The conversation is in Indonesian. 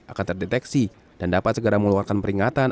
akan terdeteksi dan dapat segera mengeluarkan peringatan